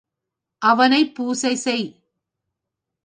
அவனைப் பூசை செய்.